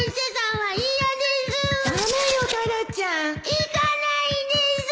行かないです！